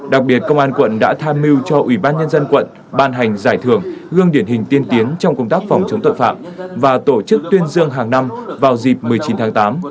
đặc biệt công an quận đã tham mưu cho ủy ban nhân dân quận ban hành giải thưởng gương điển hình tiên tiến trong công tác phòng chống tội phạm và tổ chức tuyên dương hàng năm vào dịp một mươi chín tháng tám